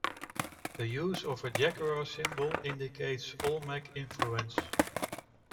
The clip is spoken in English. The use of a jaguar symbol indicates Olmec influence.